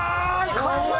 かわいい！